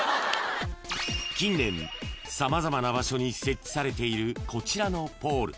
［近年様々な場所に設置されているこちらのポール］